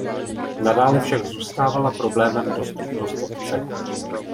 Nadále však zůstávala problémem dostupnost obce.